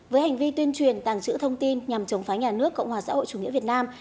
với hành vi tuyên truyền tàng trữ thông tin nhằm chống phá nhà nước cộng hòa xã hội chủ nghĩa việt nam